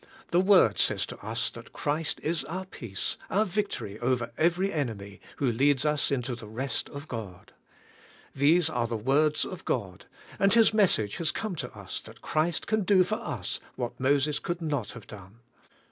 The Word says to us that Christ is our Peace, our Victory over every enemy, who leads us into the rest of God. These are the words of God, and His message has come to us that Christ can do for us what Moses could not have done.